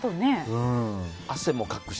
汗もかくし